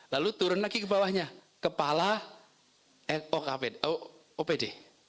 lalu turun lagi ke bawahnya kepala opd